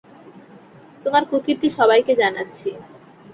তোমার কুকীর্তি সবাইকে জানাচ্ছি!